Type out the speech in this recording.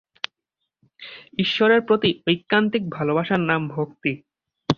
ঈশ্বরের প্রতি ঐকান্তিক ভালবাসার নাম ভক্তি।